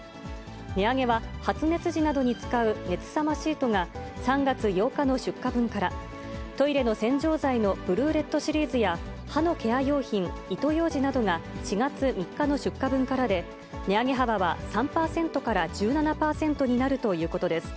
値上げは発熱時などに使う熱さまシートが３月８日の出荷分から、トイレの洗浄剤のブルーレットシリーズや歯のケア用品、糸ようじなどが４月３日の出荷分からで、値上げ幅は３％から１７％になるということです。